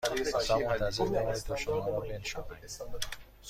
لطفاً منتظر بمانید تا شما را بنشانیم